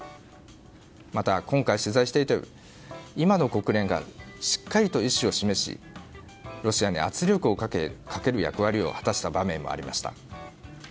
また、今回取材していて今の国連がしっかりと意思を示しロシアに圧力をかける役割を果たした場面もありました。